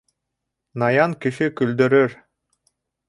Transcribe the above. Наян кеше көлдөрөр